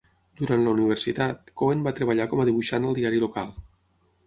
Durant la universitat, Cohen va treballar com a dibuixant al diari local.